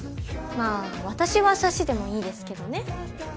まあ私はサシでもいいですけどね。